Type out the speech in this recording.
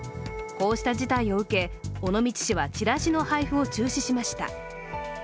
こうした事態を受け尾道市はチラシの配布を中止しました。